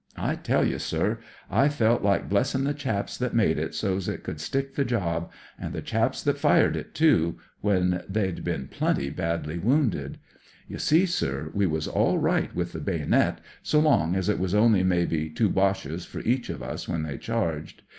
I teU you, sir, I felt like blesttn' the chaps who made it so's it couki stick the job, an' the chaps that fired k, too, when they'd been pretty badly wounded. " You see, sir, we was all right with the baynit, so long as it was only maybe two Boches for each of us when they charged.